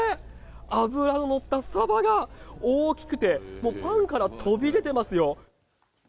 脂が乗ったサバが、大きくて、もうパンから飛び出てますよ。